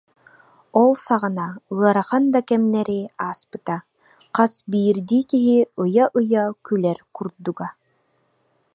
Ол саҕана ыарахан да кэмнэри ааспыта, хас биирдии киһи ыйа-ыйа күлэр курдуга